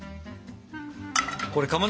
これかま